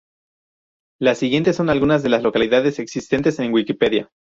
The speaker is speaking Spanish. Las siguientes son algunas de las localidades existentes en Wikipedia